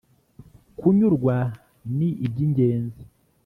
kunyurwa ni iby’ingenzi.